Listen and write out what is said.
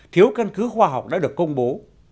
thiếu căn cứ khoa học đã được công bố